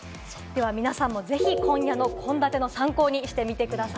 皆さんもぜひ今夜の献立の参考にしてみてください。